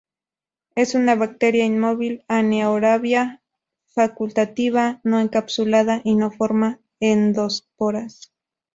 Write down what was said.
Es una bacteria inmóvil, anaerobia facultativa, no encapsulada y no forma endosporas.